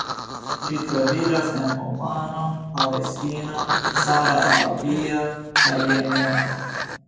Ĝi troviĝas en Omano, Palestino, Sauda Arabio kaj Jemeno.